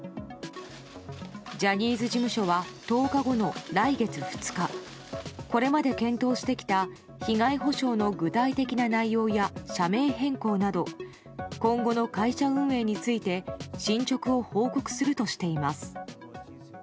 ジャニーズ事務所は１０日後の来月２日、これまで検討してきた被害補償の具体的な内容や社名変更など、今後の会社運営について、進捗を報告するとしています。